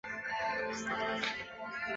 而另一位民主派吴国昌首次进入议会。